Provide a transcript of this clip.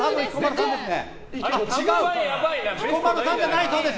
彦摩呂さんじゃないそうです